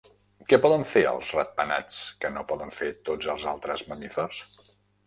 Què poden fer els ratpenats que no poden fer tots els altres mamífers?